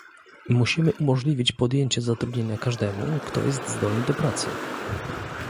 Musimy umożliwić podjęcie zatrudnienia każdemu, kto jest zdolny do pracy